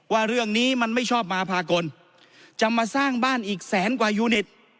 ว่าเรื่องนี้มันไม่ชอบมาพากลจะมาสร้างบ้านอีกแสนกว่ายูนิต